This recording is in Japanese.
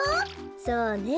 そうね。